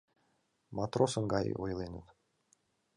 Матросын гай, ойленыт.